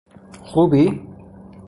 خوبی؟